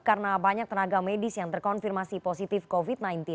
karena banyak tenaga medis yang terkonfirmasi positif covid sembilan belas